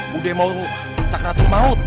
budi mau sakratul maut